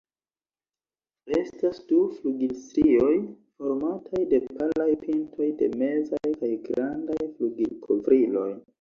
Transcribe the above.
Estas du flugilstrioj, formataj de palaj pintoj de mezaj kaj grandaj flugilkovriloj.